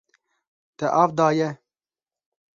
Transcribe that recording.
Te av daye.